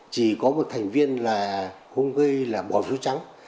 chỉ có một thành viên là hung là bỏ phiếu trắng